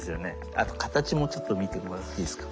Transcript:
あと形もちょっと見てもらっていいですか。